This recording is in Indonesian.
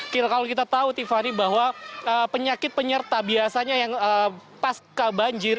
kalau kita tahu tiffany bahwa penyakit penyerta biasanya yang pas kebanjir